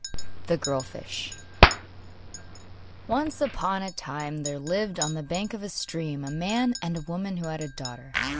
] The Girl Fish Once upon a time there lived, on the bank of a stream, a man and a woman who had a daughter.